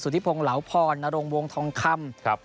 สุธิพงษ์เหลาพรนโรงวงทองคำ